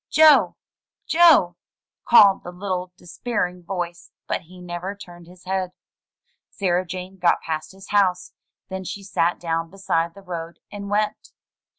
"Joe! Joe!'' called the little despairing voice, but he never turned his head. Sarah Jane got past his house; then she sat down beside the road and wept.